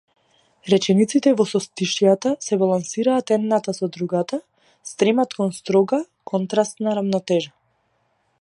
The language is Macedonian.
Речениците во состишјата се балансираат едната со другата, стремат кон строга, контрастна рамнотежа.